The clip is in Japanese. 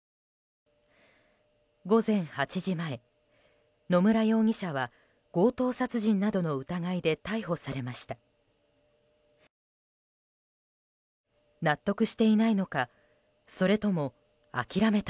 午前８時前、野村容疑者は強盗殺人などの疑いで逮捕されました。